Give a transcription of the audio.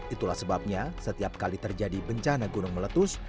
itulah sebabnya setiap kali terjadi bencana gunung meletus